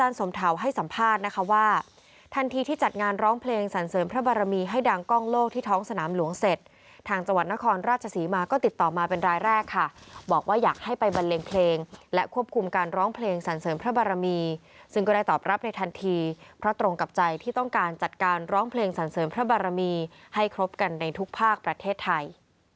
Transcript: รายแรกค่ะบอกว่าอยากให้ไปบันเลงเพลงและควบคุมการร้องเพลงสรรเสริมพระบารมีซึ่งก็ได้ตอบรับในทันทีเพราะตรงกับใจที่ต้องการจัดการร้องเพลงสรรเสริมพระบารมีให้ครบกันในทุกภาคประเทศไทย